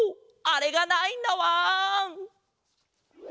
あれがないんだわん！